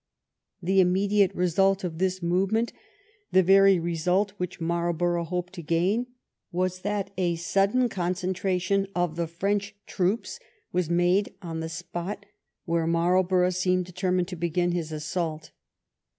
The im mediate result of this movement — the very result which Marlborough hoped to gain — ^waa that a sudden concentration of the French troops was made on the spot where Marlborough seemed determined to begin his assault.